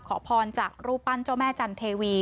ขอพรจากรูปปั้นเจ้าแม่จันเทวี